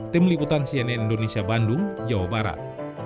tim liputan cnn indonesia bandung jawa barat